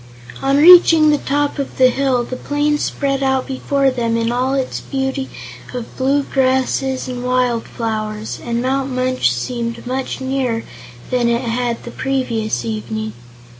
On reaching the top of the hill, the plain spread out before them in all its beauty of blue grasses and wildflowers, and Mount Munch seemed much nearer than it had the previous evening.